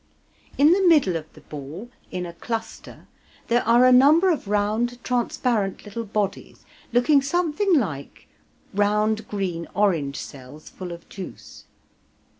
In the middle of the ball, in a cluster, there are a number of round transparent little bodies, looking something like round green orange cells full of juice.